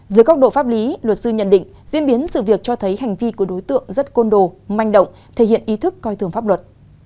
dưới góc độ pháp lý luật sư nhận định diễn biến sự việc cho thấy hành vi của đối tượng rất côn đồ manh động thể hiện ý thức coi thường pháp luật